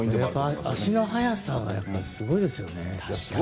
足の速さがすごいですよね。